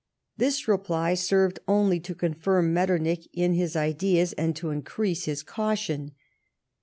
This reply served only to confirm Metternich in his ideas, and to increase his caution.